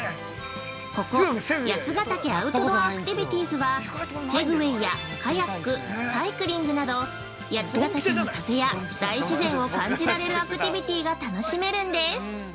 ◆ここ「八ヶ岳アウトドア・アクティビティーズ」は、セグウェイや、カヤック、サイクリングなど八ヶ岳の風や大自然を感じられるアクティビティが楽しめるんです。